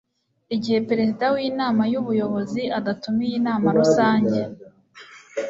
igihe perezida w'inama y'ubuyobozi adatumiye inama rusange